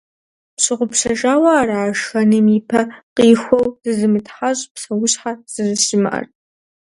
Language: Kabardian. Пщыгъупщэжауэ ара шхэным ипэ къихуэу зызымытхьэщӀ псэущхьэ зэрыщымыӀэр?